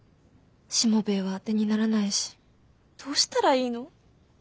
しもべえはあてにならないしどうしたらいいの。